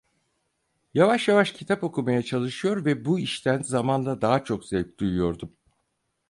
Yavaş yavaş kitap okumaya çalışıyor ve bu işten zamanla daha çok zevk duyuyordum.